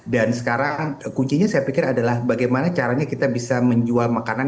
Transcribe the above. dan sekarang kuncinya saya pikir adalah bagaimana caranya kita bisa menjual makanan